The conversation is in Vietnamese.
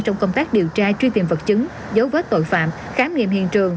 trong công tác điều tra truy tìm vật chứng dấu vết tội phạm khám nghiệm hiện trường